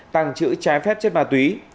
tăng chữ trái phép trên bà túy